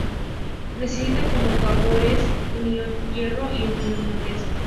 Necesita como cofactores un ion hierro y un ion manganeso.